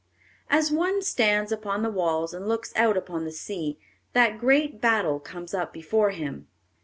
As one stands upon the walls and looks out upon the sea, that great battle comes up before him.